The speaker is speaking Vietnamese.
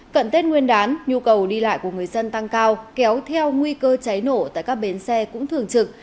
cận tết nguyên đán nhu cầu đi lại của người dân tăng cao kéo theo nguy cơ cháy nổ tại các bến xe cũng thường trực